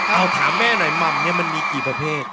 เอาถามแม่หน่อยหม่ำเนี่ยมันมีกี่ประเภท